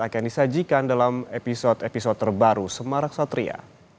akan disajikan dalam episode episode terbaru semarak satria